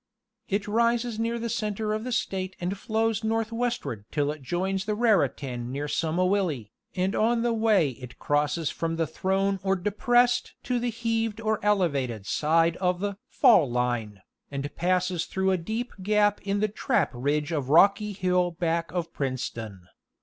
It rises near the center of the State and flows northwestward till it joins the Raritan near Somerville, and on the way it crosses from the thrown or depressed to the heaved or elevated side of the "fall line,"* and passes through a deep gap in the trap ridge of Rocky Hill back of Princeton.